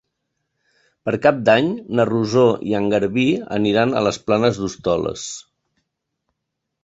Per Cap d'Any na Rosó i en Garbí aniran a les Planes d'Hostoles.